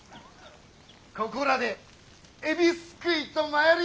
ここらで海老すくいとまいりますか！